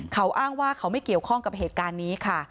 เขาอ้างว่าเขาไม่เกี่ยวข้องกับเหตุการณ์นี้ค่ะ